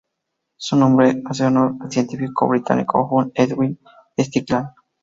Su nombre hace honor al científico británico Hugh Edwin Strickland.